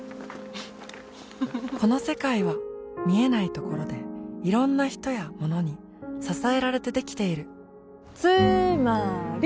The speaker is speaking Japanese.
この世界は見えないところでいろんな人やものに支えられてできているつーまーり！